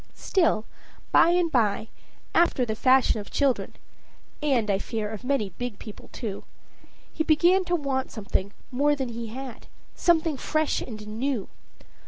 Still, by and by, after the fashion of children, and I fear, of many big people too, he began to want something more than he had, something fresh and new.